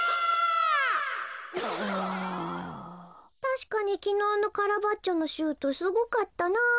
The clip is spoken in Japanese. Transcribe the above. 「たしかにきのうのカラバッチョのシュートすごかったなぁ」。